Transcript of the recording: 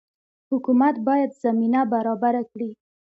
حکومت باید زمینه برابره کړي